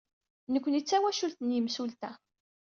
Nekkni d tawacult n yimsulta.